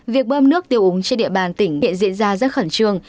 việc bơm nước tiêu úng trên địa bàn tỉnh điện diễn ra rất khẩn trương